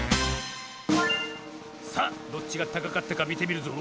さあどっちがたかかったかみてみるぞ。